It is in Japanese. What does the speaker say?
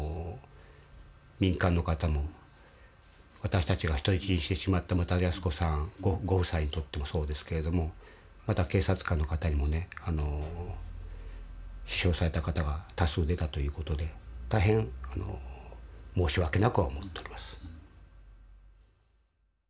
民間の方も私たちが人質にしてしまった牟田泰子さんご夫妻にとってもそうですけれどもまた警察官の方にもね死傷された方が多数出たという事で大変申し訳なくは思っております。